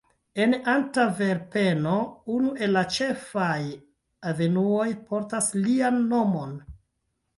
En Antverpeno unu el la ĉefaj avenuoj portas lian nomon.